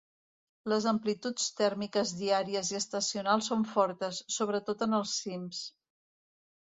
Les amplituds tèrmiques diàries i estacionals són fortes, sobretot en els cims.